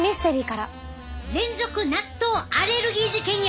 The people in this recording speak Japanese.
連続納豆アレルギー事件や。